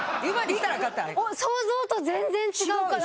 想像と全然違うから。